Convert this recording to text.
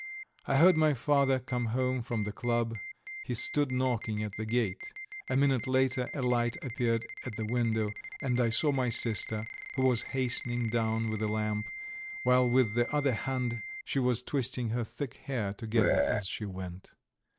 I heard my father come home from the club; he stood knocking at the gate. A minute later a light appeared at the window, and I saw my sister, who was hastening down with a lamp, while with the other hand she was twisting her thick hair together as she went.